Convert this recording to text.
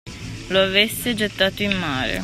Lo avesse gettato in mare